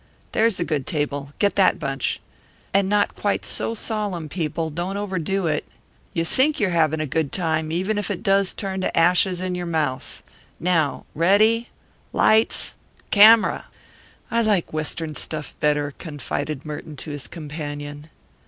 There's a good table get that bunch. And not quite so solemn, people; don't overdo it. You think you're having a good time, even if it does turn to ashes in your mouth now, ready; lights! Camera!" "I like Western stuff better," confided Merton to his companion.